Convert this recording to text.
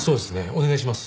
お願いします。